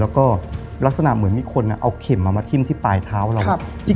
แล้วก็ลักษณะเหมือนมีคนเอาเข็มมาทิ้มที่ปลายเท้าเรา